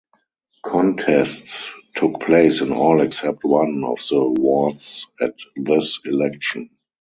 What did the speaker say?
Contests took place in all except one of the wards at this election.